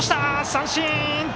三振！